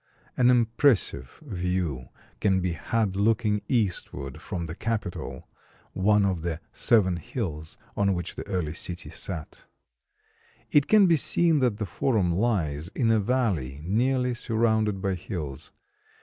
An impressive view can be had looking eastward from the Capitol, one of the "seven hills" on which the early city sat. It can be seen that the Forum lies in a valley nearly surrounded by hills.